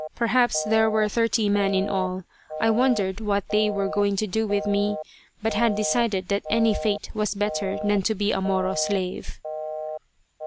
Perhaps there were thirty men in all. I wondered what they were going to do with me, but had decided that any fate was better than to be a Moro slave.